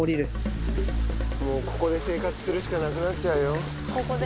もうここで生活するしかなくなっちゃうよ。